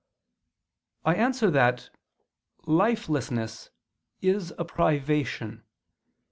I answer that, Lifelessness is a privation.